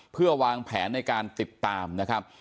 เพื่อวางแผนในการติดตามนะครับ